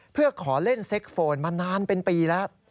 เพื่อขอเล่นเซ็กโฟนมานานเป็นปีแล้ว